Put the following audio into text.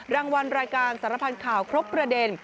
รางวัลรายการสารพันธ์ข่าวครบประเด็น